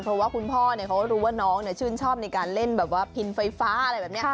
เพราะว่าคุณพ่อเขารู้ว่าน้องชื่นชอบในการเล่นแบบว่าพินไฟฟ้าอะไรแบบนี้